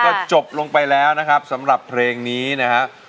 ก็จบลงไปแล้วนะครับสำหรับเพลงนี้นะฮะ